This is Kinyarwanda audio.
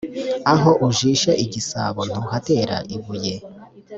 Aho ujishe igisabo ntuhatera ibuye.